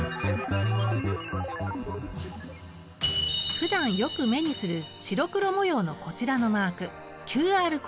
ふだんよく目にする白黒模様のこちらのマーク